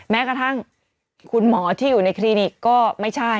แม้กระทั่งคุณหมอที่อยู่ในคลินิกก็ไม่ใช่